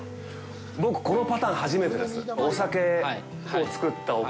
僕、このパターン、初めてです。